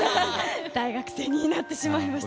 大学生になってしまいました。